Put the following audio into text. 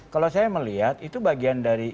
kalau saya melihat itu bagian dari